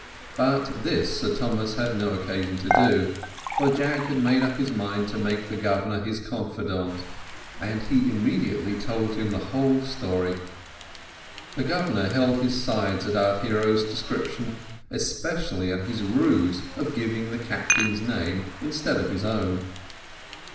But this Sir Thomas had no occasion to do, for Jack had made up his mind to make the Governor his confidant, and he immediately told him the whole story. The Governor held his sides at our hero's description, especially at his ruse of giving the captain's name instead of his own.